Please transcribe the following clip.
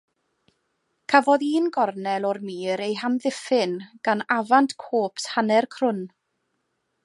Cafodd un gornel o'r mur ei hamddiffyn gan avant-corps hanner crwn.